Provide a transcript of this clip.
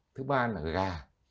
thứ ba là gà